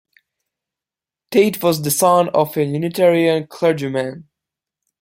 Tate was the son of a Unitarian clergyman.